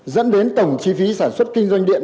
dẫn đến tổng chi phí sản xuất kinh doanh điện